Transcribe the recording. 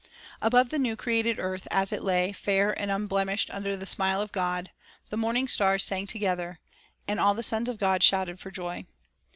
3 Above the new created earth, as it lay, fair and unblemished, under the smile of God, "the morning stars sang together, and all the sons of God shouted for joy."